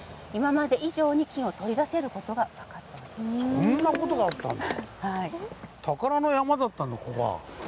そんな事があったんだ。